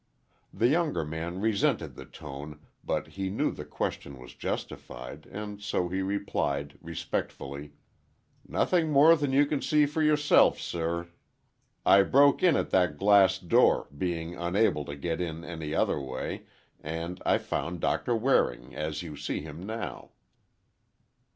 The younger man resented the tone but he knew the question was justified, and so he replied, respectfully: "Nothing more than you can see for yourself, sir. I broke in at that glass door, being unable to get in any other way, and I found Doctor Waring—as you see him now."